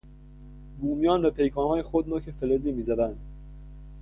بومیان به پیکانهای خود نوک فلزی میزدند.